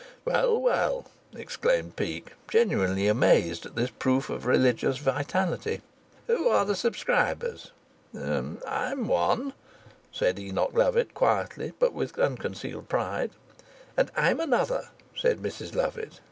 "Well, well!" exclaimed Peake, genuinely amazed at this proof of religious vitality. "Who are the subscribers?" "I'm one," said Enoch Lovatt, quietly, but with unconcealed pride. "And I'm another," said Mrs Lovatt.